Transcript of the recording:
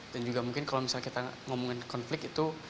dan juga mungkin kalau misalnya kita ngomongin konflik itu